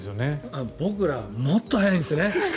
僕らはもっと早いんですよね。